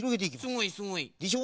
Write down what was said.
すごいすごい。でしょ。